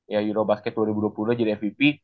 ya euro basket dua ribu dua puluh dua jadi fvp